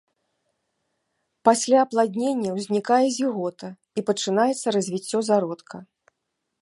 Пасля апладнення ўзнікае зігота і пачынаецца развіццё зародка.